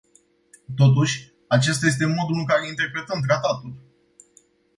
Totuși acesta este modul în care interpretăm tratatul.